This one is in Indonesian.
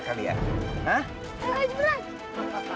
kalian tidak bisa lagi lari kemana mana